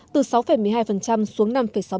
từ sáu một mươi hai xuống năm sáu mươi hai